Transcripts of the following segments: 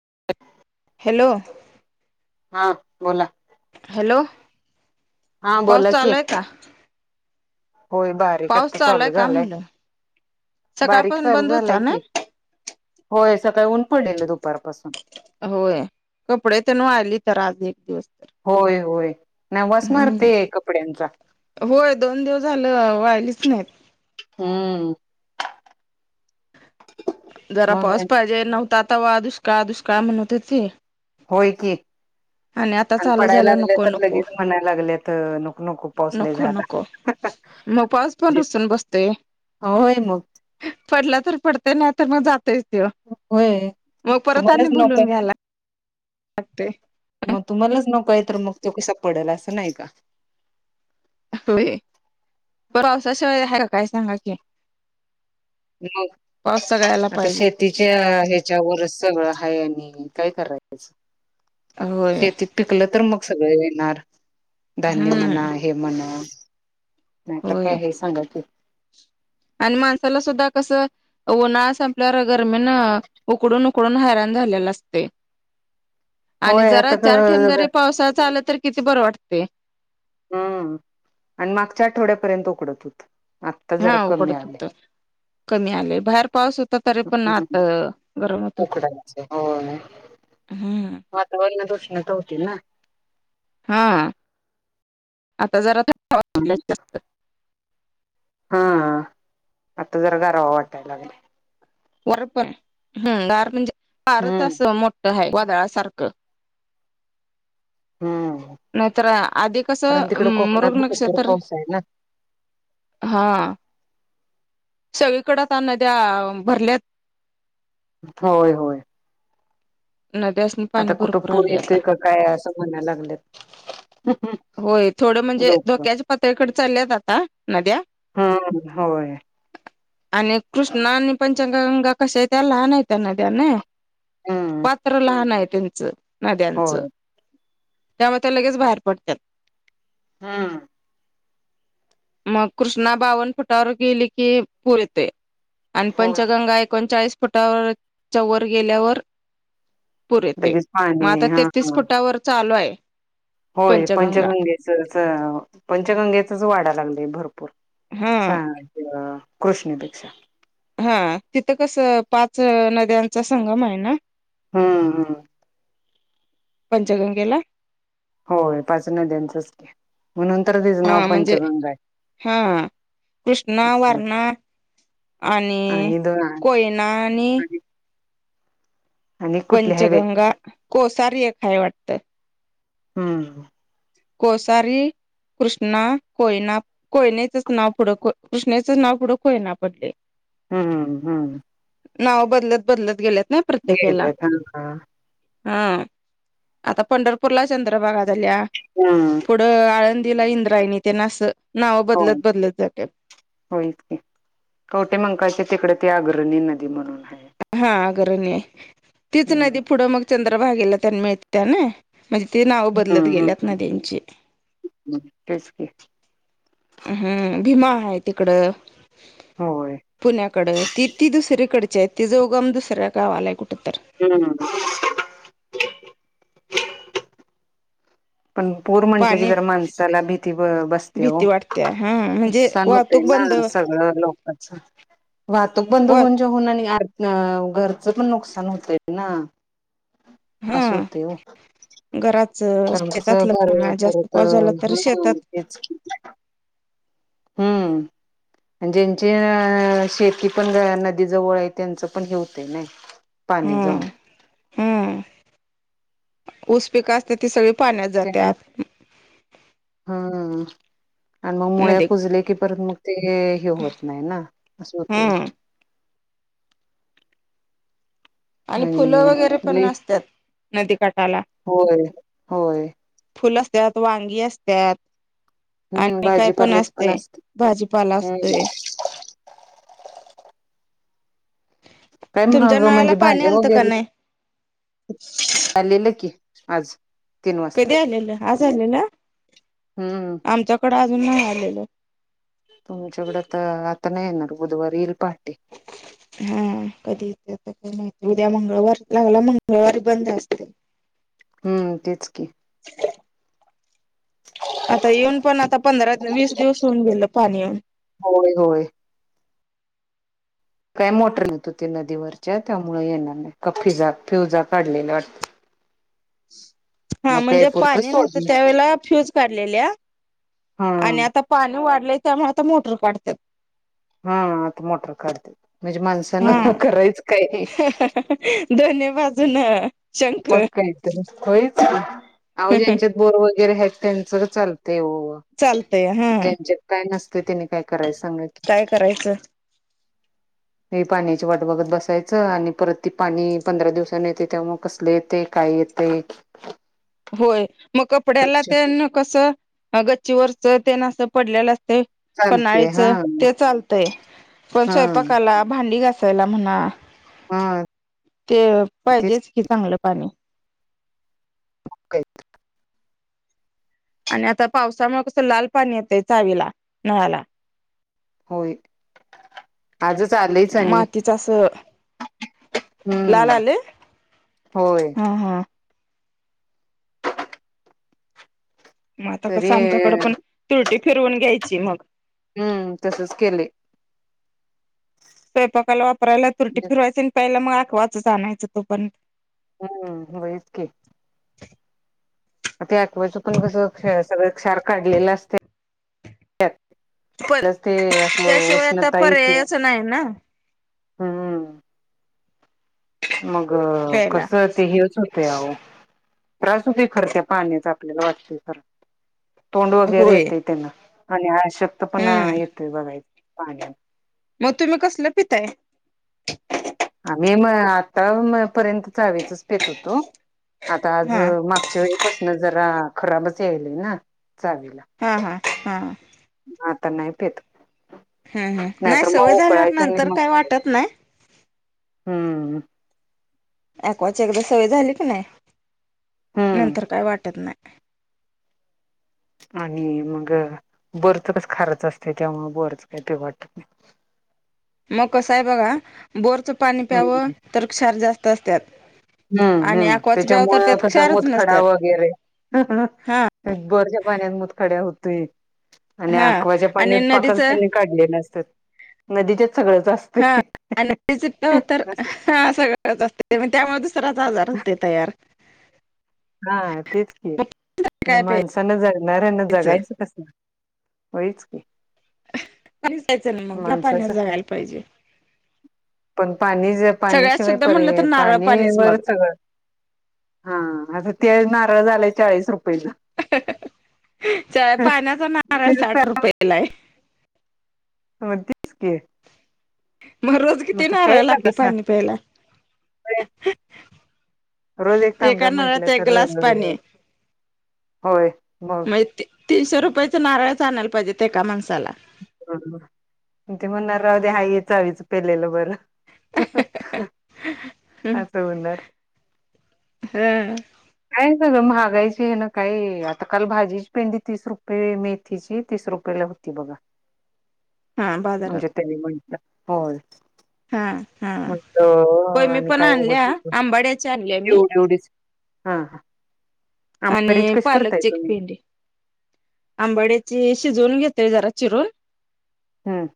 [inaudible] Hello हा बोला hello हा पाऊस बोला की चालू आहे का? होय बारीक पाऊस आता आहे चालू का झालंय. म्हणलं बारीक सकाळपासून चालू बंद होता झालाय ना की होय सकाळी ऊन पडलेलं. दुपारपासून. होय कपडेतेन वाळलीत तर आज एक दिवस तर होय होय नाय वास मारते हम्म आहे कपड्यांचा होय दोन दिवस झालं वाळलीच नाहीत. हम्म जरा मग पाऊस पाहिजे नव्हता तवा दुष्काळ दुष्काळ म्हणत होते होय की आणि चालू पडायला झालं लागले नको तर नको लगेच म्हणायला लागलेत नको नको पाऊस लई नको झाला. नको मग पाऊस पण रूसून बसतोय. हो होय मग. पडला तर पडते नाय तर मग जातोयच त्यो होय मग परत आणि तुम्हालाच नकोय बोलून घ्यायला लागतय. मग तुम्हालाच नको आहे तर मग त्यो कसा पडेल असं नाही का होय पावसाशिवाय हाय का काय सांगा की मग पाऊस सगळ्याला आता पाहिजे शेतीच्या त्याच्यावरच सगळं हाय आणि काय करायच. होय शेतीत पिकलं तर मग सगळ येणार धान्य हम्म म्हणा, हे म्हणा नाहीतर होय काय हे सांगा की आणि माणसाला सुद्धा कसं उन्हाळा संपल्यावर गर्मीन उकडून उकडून हैरान झालेल असतय. आणि होय जरा आता चार ठेम जारी पावसाच आलं तर किती बरं वाटतय. हम्म आणि मागच्या आठवड्यापर्यंत उकडत होत. आत्ता जरा हा कमी उकडत आलय. होत कमी आले बाहेर पाऊस होता तरी पण आत गरम होत होत. उकडायच होय. हम्म वातावरणात उष्णता होती ना. हा आता जरा हां आता जरा गारवा वाटाय लागलाय. वारपण हम गार म्हणजे वारच हम्म असं मोठ आहे वादळासारखं. हम्म नाहीतर आधी कारण कसं तिकड कोकणात मृग भरपूर नक्षत्र पाऊस आहे ना हां. सगळीकडे आता नद्या भरल्यात. होय होय नद्या असून आता पाणी कुठं भरपूर पूर आले आता येतोय का काय असं म्हणायला लागलेत होय थोडं म्हणजे लोक धोक्याच्या पातळीकडे चालल्या जात हा नद्या हम्म होय आणि कृष्णा आणि पं चंगा गंगा कशी य लहानयत नद्या ना हम्म नद्यांच होय त्यामुळे त्या लगेच बाहेर पडतात हम्म मग कृष्णा बावन फुटावर गेली की पुरते आणि होय पंचगंगा एकोणचाळीस फुटावर चौवर गेल्यावर पूर येते लगेच मग पाणी आता हा तेतीस हा फुटावर चालू आहे होय पंचगंगा पंचगंगेच पंचगंगेचच वाडा लागले भरपूर हा सां कृष्णेपेक्षा हा तिथं कस पाच नद्यांचा संगम आहे ना हम्म हम्म पंचगंगेला होय पाच नदचच हा म्हणजे हा कृष्णा असं वर्णा आणि कोयनानी आणि कुठले हायवे पंचगंगा कोसार्य खाय वाटतं हम्म कोसारी कृष्णा कोयना कोयनेचंच नाव पुढं कृष्णेचं नाव पुढं कोयना पडले हम्ममम हम्म नाव बदलत बदलत गेल्यात ना ह प्रत्येकाला ह का हा आता पंढरपूरला चंद्रभगा झाल्या हम्म पुढं आळंदीला इंद्रायनी त्यांना अस हो होयच कवटे मंकाळचे तिकडे ते अग्रणी नदी म्हणून आहे हा अगरणीय तीच हम्म नदी पुढं मग चंद्रभागेला त्यांना मिळत्या ना म्हणजे ते नाव बदलत हम्म हम्म गेल्यात ना त्यांचे? हम्म तेच की हम्म. भीमा आहे तिकडं. होय पुण्याकड. ती ती दुसरीकडचिये तिचा उगम दुसऱ्या गावालाय कुठत- हम्. पण पूर म्हंटले की पाणी जर माणसाला भीती ब बसते हो. भीती वाटते हा म्हणजे नुकसान होत वाहतूक ना बंद सगळं लोक अच्छा वाहतूक बंद वा होऊन जेवून आणि अ घरचं पण नुकसान होतय ना. हा असं होते हो घराच कारण कसं शेतातलं घर म्हणाजास्त परत पाऊस झाला तर हा शेतात. तेच की. हम्म ज्यांची अ शेती पण नदी जवळ आहे त्यांचं पण हे होत नाही. पाणी जाऊन हम्म हम्म ऊस पिक असते ती सगळे पाण्यात त्यामु जातात. हम्म आणि मग मुळे नदीत कुजले की परत मग. ते हे होत नाही ना अस होते. हम्म आणि फुलं वगैरे पण नसतात नदीकाठाला. होय होय फुल असतात वांगी असतात हम्म आणि काय पण भाजीपाल्याच असतेय असते भाजीपाला हम्म असतोय. काय तुमच्या महाग नळाला म्हणजे पाणी भाज्या आलतं का वगैरे नाही लेलं की आज. तीन वाजता कधी आलेलं? आज आलेल? हम्म. अजून नाही आलेल. तुमच्याकडं तर आता नाही येणार, बुधवारी येईल पाणी. हा कधी येत ते काय माहिती उद्या मंगळवार लागला मंग [unintelligible] मंगळवारी बंद असते. हम्म तेच की आता येऊन पण आता पंधरा वीस दिवस होऊन गेल पाणी येऊन. होय होय काय मोटर नेत होते नदीवरच्या त्यामुळे येणार नाही. कफीजा फिवजा काढलेले वाट हा म्हणजे प्यायपुरतं पाणी नव्हतं सोडली त्यावेेळेला फ्यूज काढलेल्या हा आणि आता पाणी वाढलंय त्यामुळे आता मोटर काढत्यात. हा आता मोटर काढते. म्हणजे माणसानं हा करायच काय? वाजूला मग काय त? आवो ज्यांच्या बोर वगैरे आहेत त्यांच चालत. चालत हो चालतय हा ज्यांच्यात काय नसत ते त्यांनी काय करायच सांगा की? काय करायचं लई पाण्याची वाट बघत बसायचं आणि परत ती पाणी पंधरा दिवसाांनी येते त्यामुळं कस कसले येतय? काय येतय? होय. मग कपड्याला तेन कसं गच्चीवरच त्यान अस पडलेलं ते चालते पन्हाळीच हा ते चालतय. पण हा स्वयंपाकाला भांडी घासायला- घासायला म्हणा. हा ते तेच पाहिजेच कि चांगलं पाणी. [inaudible] आणि आता पावसामुळे कसं लाल पाणी येतंय चावीला नळाला. होय. आजच आलंयच आणि- मातीच असं लाल हम्म आले होय. हा हा मग आता तरी कसं आमच्याकडं पण तुरटी फिरवून घ्यायची मग. हम्म तसच केलय. स्वयंपाकायला वापरायला तुरटी फिरवायची आणि प्यायला मग एक्वा आणायचं तोपर्यंत हम्म व्हय कि. ते एक्वा पण कस क सगळ क्षार काढलेला असतय. पण त्यास ते असल त्याशिवाय आता उष्णता येत्या. पर्यायच नाही ना हम्म. मग प्यायला कस ते हेच होतय अहो त्रास होतोय खरं त्या पाण्याच आपल्याला वाटतय खरं. तोंड वगैरे होय येतंय त्यान. आणि अशक्तपणा हम्म येतोय बघा पाण्यान. मग तुम्ही कसलं पिताय? मी म आता पर्यंत चावीचच पेत होतो. आता आज हा मागच्या वेळे पासन जरा खराबच यायलय ना? चावीला. हा हा हा. आता नाही पेत. हं, हं नाही नाहीतर सवय मग झाल्यावर उकळायचं आणि नंतर मग काय वाटत नाही. हम्म. ऍकक्वाची एकदा सवय झाली की नाही हम्म नंतर काय वाटत नाय. आणि मग बोरच कस खारच असते. तेव्हा बोरच काय पिऊ वाटत नाय. मग कस आहे बघा बोरचं पाणी प्यावं हम्म तर क्षार जास्त असतात. हम्म आणि हम्म अक्वाचं प्यावं त्याच्यामुळ तर त्यात कसं क्षारच मुतखडा नसतात वगैरे हंह हा बोरच्या पाण्याने मुतखडा होतो. आणि हा अकवाच्या आणि पाण्यात पाकच नदीचं त्यांनी काढलेले असतात. मधी तर [unintelligible] आजार होतोय तयार. हां तेच की मग म्हणजे काय माणसांना जगणाऱ्यांना प्यायचं जगायचं कस? होईच की. हं पाणीच प्यायचं नाही मग या माणसाच पाण्यावर जगायला पाहिजे. पण पाणी जर सगळ्यात पाण्याशिवाय शुद्ध म्हणलं तर पर्याय नारळ पाणी पाणीच वर मग सगळं हां आता ते नारळ झालाय चाळीस रुप रुपयला. चा- पाण्याचा नारळ साठ रुपयाला आहे हो तेचकी. मग रोज किती नाराळ लागतील पाणी प्यायला? रोज एक एका तांब्या म्हंटलं नारळात एक तर ग्लास पाणी अ, हाय. होय मग मैते तीनशे रुपयाच नारळ आणायला पाहिजेत एका माणसाला ते म्हणणार राहू दे हाय हेच चावीच पेलेलं बरं. हं ह, असं होणार. काय सगळं महागायची हे न काय आता काल भाजीची पेंडी तीस रुपये मेथीची तीस रुपये पहिला होती बघा. [inaudible] हा म्हणजे त्यांनी म्हंटल पळ. [inaudible] हां, हां होय मी आणि पण काय उगच आणल्या आंबाड्याची आणल्या मी. हां, हां आणि आंबाडीची कशी करताय तुम्ही? आंबड्याची शिजवून घेतोय जरा चिरून. हम्म.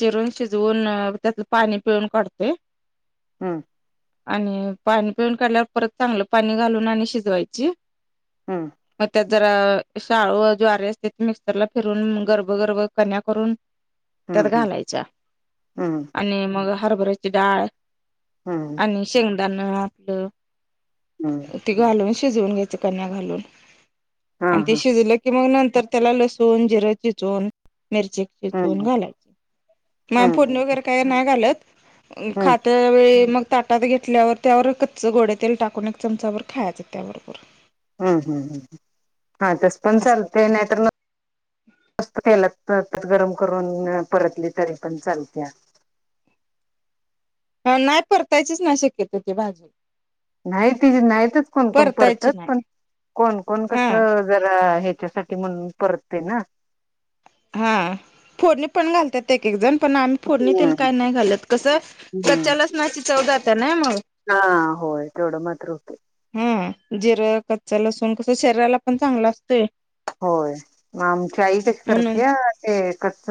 चिरून, शिजवून त्यातलं पाणी पिळून काढतोय. हम्म. आणि पाणी पिळून काढल्यावर, परत चांगलं पाणी घालून आणि शिजवायची. हम. मग त्यात जरा शाळू ज्वारी असते, तर मिक्सरला फिरून गर्भगर्भ कन्या करून त्यात हम्म घालायच्या, हम्म आणि मग हरभऱ्याची डाळ आणि शेंगदाणा आपलं हम्म हम्म हम्म ते घालून [unintelligible] शिजवून घ्यायचं कणया घालून. हा आणि ते हा शिजलं की कि मगं नंतर त्याला लसुन, जिरं चिचवून मिरची [unintelligible] हम्म घालायची. मग फोडणी हम्म वगैरे काय नाय घालत. हम्म खात्यावेळी मग ताटात घेतल्यावर त्यावर कच्च गोड तेल टाकून एक चमचाबर खायचं त्या बरोबर. हम्म, हम्म हा तसं पण असं चालतंय, करते नाहीतर मग निस्ता तेलात. गरम करून परतली तरी पण चालत्या. नाय परतायचीच नाही शक्यतो भाजी. नाही तीजी नाहीतच कोणकण परतायची परतात, पण नाही कोण कोण कस हा जरा ह्याच्यासाठी म्हणून परतते ना. हा फोडणी पण घालतात, एक-एक जण. पण आम्ही फोडणी हम्म तेन काय नाही घालत, कसं हम्म. कच्च्या लसणाची चव जात्या नाय मग. हा होय तेवढं मात्र होतय. हा जिरं कच्च लसूण कसं शरीराला पण चांगलं असतंय. होय मग आमच्या आई कशी म्हणून करते, ते कच्च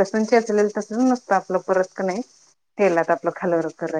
लसूण चेचलेले तसं नसत, आपल परत कणी नाही तेलात आपल कनी खाल वर करायच.